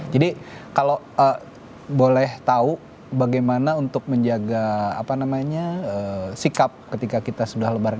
jadi kalau boleh tahu bagaimana untuk menjaga sikap ketika kita sudah lebaran